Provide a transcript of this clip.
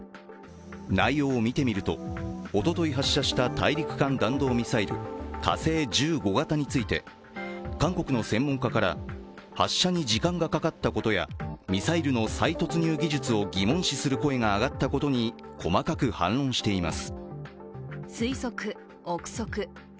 内容を見てみると、おととい発射した大陸間弾道ミサイル、火星１５型について韓国の専門家から、発射に時間がかかったことやミサイルの再突入技術を疑問視する声が上がったことに細かく反論しています。